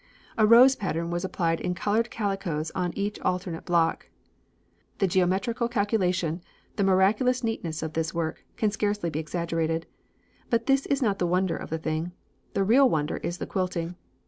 A rose pattern was applied in coloured calicoes on each alternate block. The geometrical calculation, the miraculous neatness of this work, can scarcely be exaggerated. But this is not the wonder of the thing. The real wonder is the quilting.